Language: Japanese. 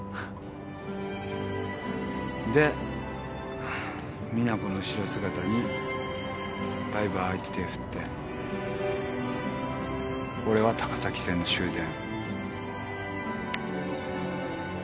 で実那子の後ろ姿にバイバーイって手振って俺は高崎線の終電。